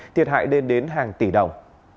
thiệt hại đến hàng tỷ đồng